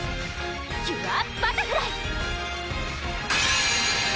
キュアバタフライ！